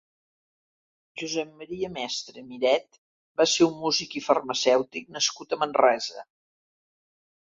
Josep Maria Mestre Miret va ser un músic i farmacèutic nascut a Manresa.